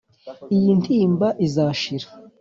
iyi ntimba izashira